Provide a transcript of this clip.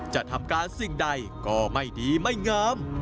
จะทำการสิ่งใดก็ไม่ดีไม่งาม